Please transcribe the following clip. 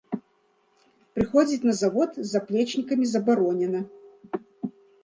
Прыходзіць на завод з заплечнікамі забаронена.